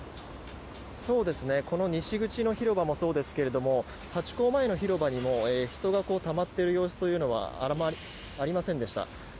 この西口の広場もそうですがハチ公前の広場にも人がたまっている様子というのはありませんでした。